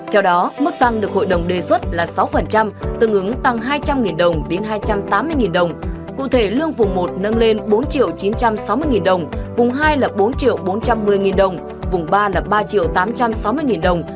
theo đó mức tăng được hội đồng đề xuất là sáu tương ứng tăng hai trăm linh đồng đến hai trăm tám mươi đồng cụ thể lương vùng một nâng lên bốn chín trăm sáu mươi đồng vùng hai là bốn bốn trăm một mươi đồng vùng ba là ba tám trăm sáu mươi đồng